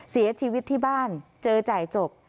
เสียชีวิตที่บ้านเจอจ่ายจบ